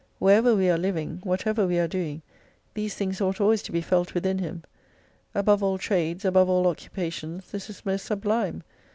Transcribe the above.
Wherever we are living, whatever we are doing, these things ought always to be felt within him. Above all trades, above all occupations this is most sublime.